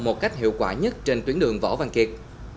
một cách hiệu quả nhất trên tuyến đường võ văn kiệt